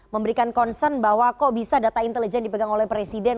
memberikan concern bahwa kok bisa data intelijen dipegang oleh presiden